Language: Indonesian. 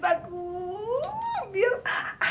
biar ayah jadi yang sama raka